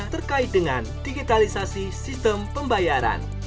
terkait dengan digitalisasi sistem pembayaran